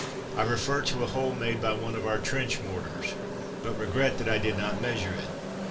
I refer to a hole made by one of our trench mortars, but regret that I did not measure it.